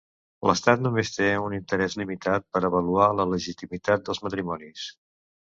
L'estat només té un interès limitat per avaluar la legitimitat dels matrimonis.